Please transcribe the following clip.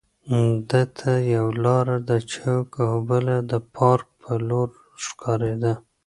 ده ته یوه لار د چوک او بله د پارک په لور ښکارېده.